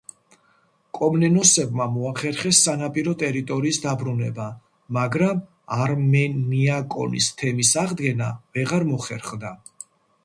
კომნენოსებმა მოახერხეს სანაპირო ტერიტორიის დაბრუნება, მაგრამ არმენიაკონის თემის აღდგენა ვეღარ მოხერხდა.